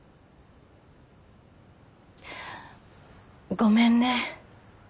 ごめんね。